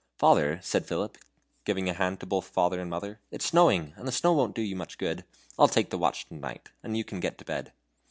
"Father," said Philip, giving a hand to both father and mother, "it's snowing, and the snow won't do you much good. I'll take the watch to night, and you can get to bed."